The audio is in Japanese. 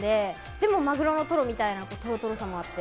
でもマグロのトロみたいなとろとろさもあって。